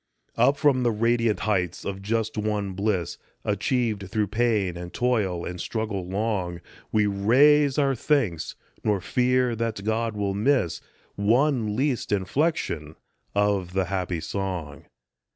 Up from the radiant heights of just won bliss, Achieved through pain and toil and struggle long, We raise our thanks, nor fear that God will miss One least inflection of the happy song.